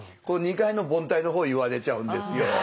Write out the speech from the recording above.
この２回の凡退の方言われちゃうんですよ。